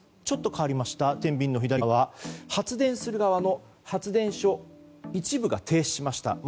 ちょっと変わりました天秤の左側発電する側の発電所、一部が停止しました。